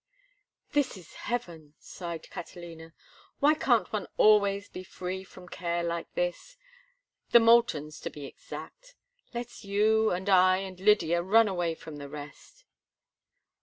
"This is heaven," sighed Catalina. "Why can't one always be free from care like this—the Moultons, to be exact. Let's you and I and Lydia run away from the rest."